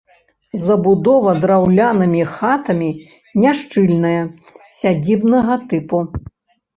Забудова драўлянымі хатамі, няшчыльная, сядзібнага тыпу.